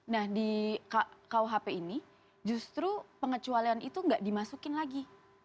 nah di kuhp ini justru pengecualian itu nggak dimasukin lagi